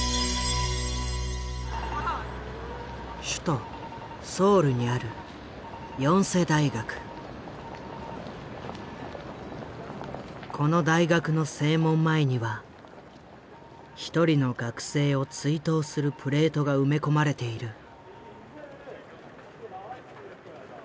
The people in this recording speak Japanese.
首都ソウルにあるこの大学の正門前には一人の学生を追悼するプレートが埋め込まれている。